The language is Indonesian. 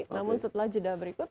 namun setelah jeda berikut